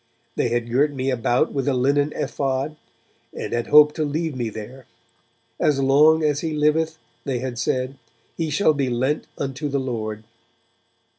They had girt me about with a linen ephod, and had hoped to leave me there; 'as long as he liveth,' they had said, 'he shall be lent unto the Lord.'